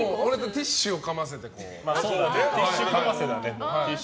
ティッシュかませだね。